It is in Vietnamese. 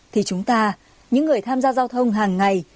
thì chúng ta những người tham gia giao thông hàng ngày